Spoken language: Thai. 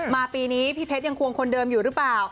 ปีนี้พี่เพชรยังควงคนเดิมอยู่หรือเปล่า